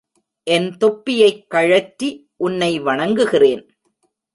என் தொப்பியைக் கழற்றி உன்னை வணங்குகிறேன்!